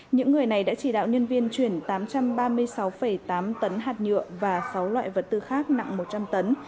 những người này đã chỉ đạo nhân viên chuyển tám trăm ba mươi sáu tám tấn hạt nhựa và sáu loại vật tư khác nặng một trăm linh tấn